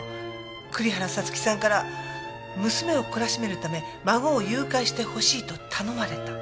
栗原五月さんから娘をこらしめる為孫を誘拐してほしいと頼まれた。